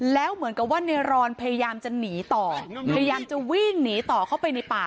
แล้วเหมือนกับว่าในรอนพยายามจะหนีต่อพยายามจะวิ่งหนีต่อเข้าไปในป่า